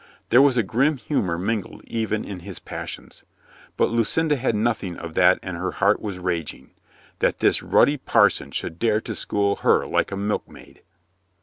There was a grim humor mingled even in his passions. But Lucinda had nothing of that and her heart was raging. That this ruddy parson should dare to school her like a milkmaid!